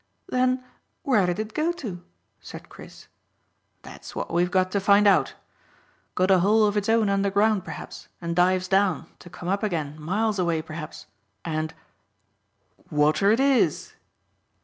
"Then where did it go to?" said Chris. "That's what we've got to find out. Got a hole of its own underground, perhaps, and dives down, to come up again miles away, perhaps, and Water it is!"